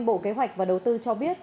bộ kế hoạch và đầu tư cho biết